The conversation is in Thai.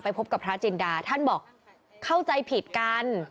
พบกับพระจินดาท่านบอกเข้าใจผิดกัน